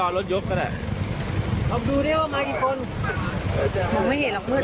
อ่ะให้กลัวเอาขึ้นมาแล้วหนึ่ง